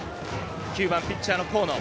９番、ピッチャーの河野。